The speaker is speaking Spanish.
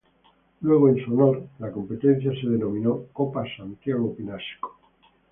Luego, en su honor, la competencia se denominó Copa Santiago Pinasco.